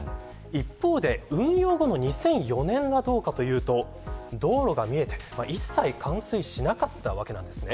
一方で運用後の２００４年はどうかというと道路が見えて一切冠水しなかったわけです。